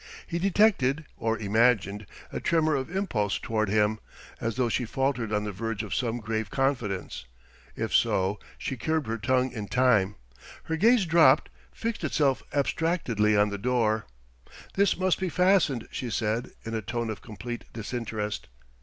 He detected, or imagined, a tremor of impulse toward him, as though she faltered on the verge of some grave confidence. If so, she curbed her tongue in time. Her gaze dropped, fixed itself abstractedly on the door.... "This must be fastened," she said, in a tone of complete disinterest.